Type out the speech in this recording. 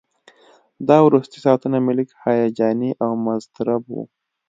دا وروستي ساعتونه مې لږ هیجاني او مضطرب وو.